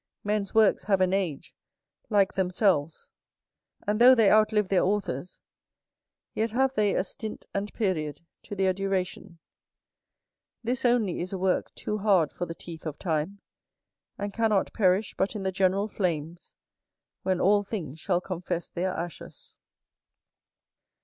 Men's works have an age, like themselves; and though they outlive their authors, yet have they a stint and period to their duration. This only is a work too hard for the teeth of time, and cannot perish but in the general flames, when all things shall confess their ashes.